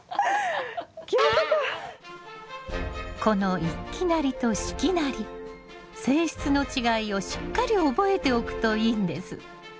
この一季なりと四季なり性質の違いをしっかり覚えておくといいんです。